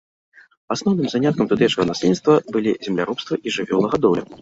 Асноўным заняткам тутэйшага насельніцтва былі земляробства і жывёлагадоўля.